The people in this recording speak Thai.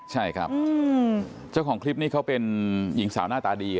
ใช่ครับเจ้าของคลิปนี้เขาเป็นหญิงสาวหน้าตาดี